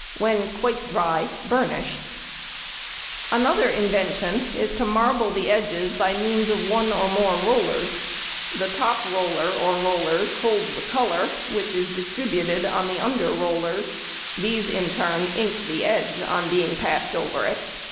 When quite dry burnish." [Illustration: Leo's Mechanical Marblers.] Another invention is to marble the edges by means of one or more rollers. The top roller or rollers holds the colour, which is distributed on the under rollers; these, in turn, ink the edge on being passed over it.